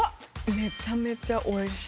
めちゃめちゃおいしい。